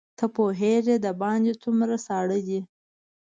ته خو پوهېږې دباندې څومره ساړه دي.